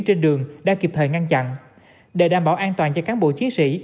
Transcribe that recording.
trên đường đã kịp thời ngăn chặn để đảm bảo an toàn cho cán bộ chiến sĩ